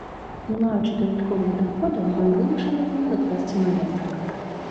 Не маючы дадатковых даходаў, ён вымушаны быў закласці маёнтак.